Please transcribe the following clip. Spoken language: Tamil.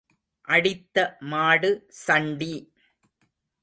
அடித்த மாடு சண்டி.